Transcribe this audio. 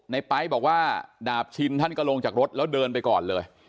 ไป๊บอกว่าดาบชินท่านก็ลงจากรถแล้วเดินไปก่อนเลย